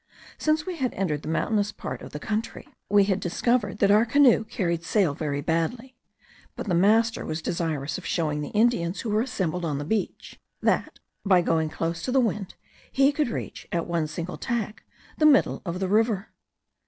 Since we had entered the mountainous part of the country, we had discovered that our canoe carried sail very badly; but the master was desirous of showing the Indians who were assembled on the beach, that, by going close to the wind, he could reach, at one single tack, the middle of the river.